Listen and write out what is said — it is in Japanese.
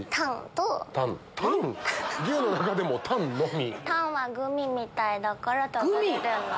牛の中でもタンのみ？